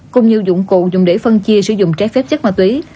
cùng nhiều dụng cụ dùng để phân chia sử dụng trái phép chất ma túy